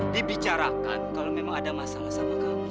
dibicarakan kalau memang ada masalah sama kamu